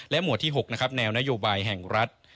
และหมวดที่๖แนวนโยบายแห่งรัฐ